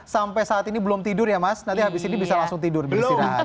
sampai saat ini belum tidur ya mas nanti habis ini bisa langsung tidur beristirahat